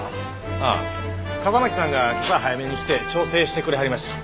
ああ笠巻さんが今朝早めに来て調整してくれはりました。